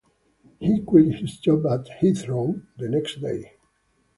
He quit his job at Heathrow the next day.